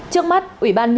trước mắt ubnd